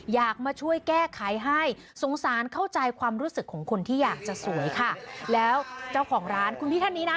อยากมาช่วยแก้ไขให้สงสารเข้าใจความรู้สึกของคนที่อยากจะสวยค่ะแล้วเจ้าของร้านคุณพี่ท่านนี้นะ